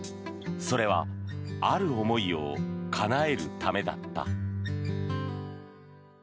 それはある思いをかなえるためだった。